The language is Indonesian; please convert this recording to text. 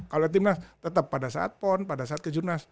kalau tim nas tetap pada saat pon pada saat ke jurnas